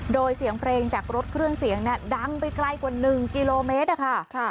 โดยเสียงเพลงจากรถเครื่องเสียงดังไปไกลกว่า๑กิโลเมตรอะค่ะ